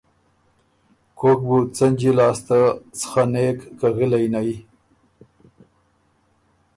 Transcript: کوک بُو څنجی لاسته څخنېک که غِلئ نئ،